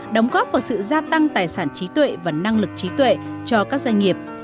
đóng góp vào sự gia tăng tài sản trí tuệ và năng lực trí tuệ cho các doanh nghiệp